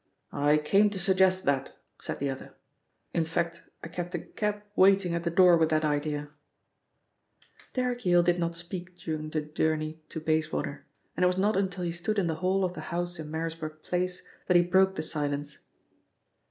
"I came to suggest that," said the other. "In fact, I kept a cab waiting at the door with that idea." Derrick Yale did not speak during the journey to Bayswater, and it was not until he stood in the hall of the house in Marisburg Place that he broke the silence.